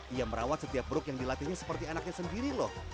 ia merawat setiap grup yang dilatihnya seperti anaknya sendiri loh